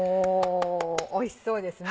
おいしそうですね。